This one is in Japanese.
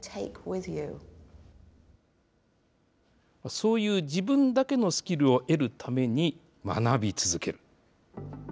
そういう自分だけのスキルを得るために、学び続ける。